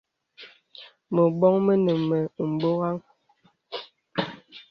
Məbɔŋ mənə mə bɔghaŋ.